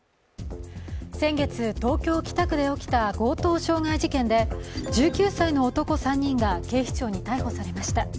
先月、東京・北区で起きた強盗傷害事件で１９歳の男３人が警視庁に逮捕されました。